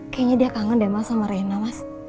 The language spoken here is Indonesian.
kayaknya dia kangen deh mas sama reina mas